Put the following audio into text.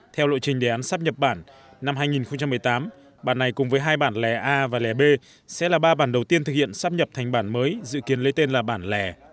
theo lộ trình đề án sắp nhật bản năm hai nghìn một mươi tám bản này cùng với hai bản lè a và lè b sẽ là ba bản đầu tiên thực hiện sắp nhập thành bản mới dự kiến lấy tên là bản lè